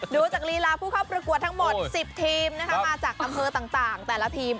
ดูจากลีลาผู้เข้าประกวดทั้งหมด๑๐ทีมมาจากอำเภอต่างแต่ละทีม